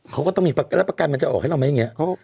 เขาก็ต้องมีปักแล้วปักกัญญ์มันจะออกให้เราไหมอย่างเงี้ย